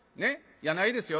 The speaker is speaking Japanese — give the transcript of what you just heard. いやないですよ。